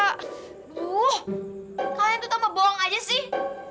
aduh kalian tuh tambah bohong aja sih